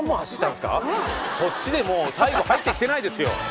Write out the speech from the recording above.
そっちでもう最後入ってきてないですよ